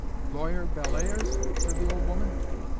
"Lawyer Bellairs?" said the old woman.